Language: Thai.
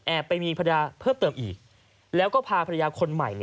ไปมีภรรยาเพิ่มเติมอีกแล้วก็พาภรรยาคนใหม่